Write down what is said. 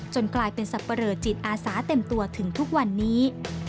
กลายเป็นสับปะเลอจิตอาสาเต็มตัวถึงทุกวันนี้